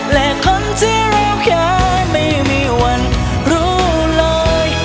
และคนที่รอแค่ไม่มีวันรู้เลย